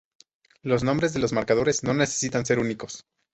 Los nombres de los marcadores no necesitan ser únicos.